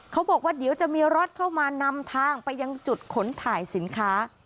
เขาบอกว่าเดี๋ยวจะมีรถเข้ามานำทางไปยังจุดขนถ่ายสินค้า